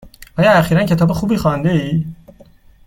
آیا اخیرا کتاب خوبی خوانده ای؟